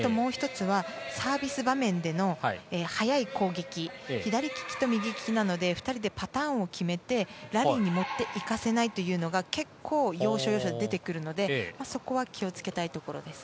あとサービス場面での速い攻撃左利きと右利きなので２人でパターンを決めてラリーに持っていかせないというのが結構、要所要所で出てくるので気を付けたいところです。